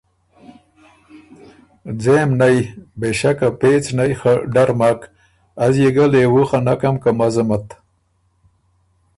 ځېم نئ، بېشکه پېڅ نئ خه ډر مک، از يې ګۀ لېوُو خه نکم که مزم ات۔